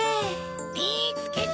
・みつけた！